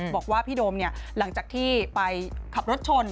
บอกว่าพี่โดมหลังจากที่ไปขับรถชน